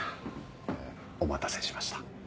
お待たせしました。